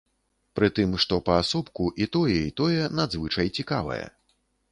Пры тым, што паасобку, і тое, і тое надзвычай цікавае.